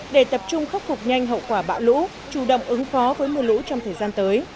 để tập trung khắc phục nhanh hậu quả bão lũ chủ động ứng phó với mưa lũ trong thời gian tới